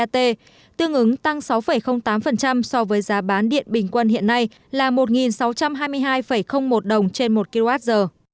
tương ứng tăng sáu tám so với giá bán điện bình quân hiện nay là một sáu trăm hai mươi hai một đồng trên một kwh